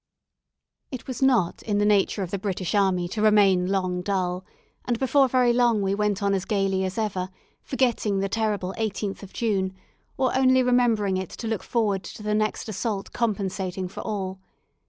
It was not in the nature of the British army to remain long dull, and before very long we went on gaily as ever, forgetting the terrible 18th of June, or only remembering it to look forward to the next assault compensating for all.